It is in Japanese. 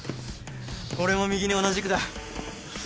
俺も右に同じくだ。